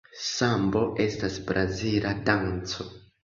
Sambo estas brazila danco.